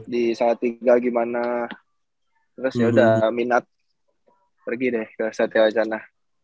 di saat tinggal gimana terus ya udah minat pergi deh ke satya wacana